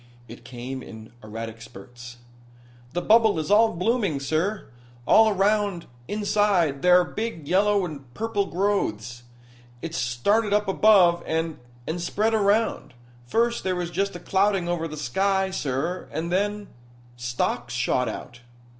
It came in erratic spurts. "The bubble is all blooming, sir. All around inside there are big yellow and purple growths. It started up above, and and spread around. First there was just a clouding over of the sky, sir, and then stalks shot out."